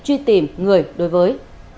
truy tìm người đối với